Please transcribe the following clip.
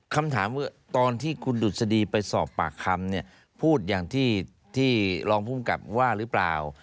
คำถามคือตอนที่คุณดุษฎีไปสอบปากคำเนี่ยพูดอย่างที่รองภูมิกับว่าหรือเปล่า